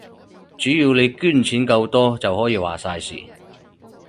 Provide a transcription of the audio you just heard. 只要你捐錢夠多，就可以話晒事